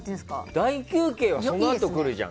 大休憩はそのあと来るじゃん。